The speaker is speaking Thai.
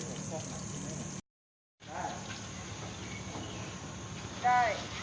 สุดท้ายสุดท้ายสุดท้าย